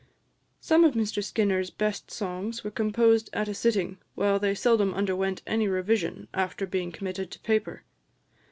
Some of Mr Skinner's best songs were composed at a sitting, while they seldom underwent any revision after being committed to paper.